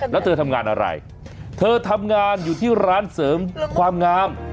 แล้วเธอทำงานอะไรเธอทำงานอยู่ที่ร้านเสริมความงาม